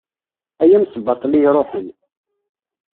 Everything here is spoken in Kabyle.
Ay amesbaṭli iṛuḥen.